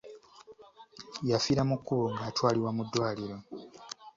Yafiira mu kkubo ng'atwalibwa mu ddwaliro.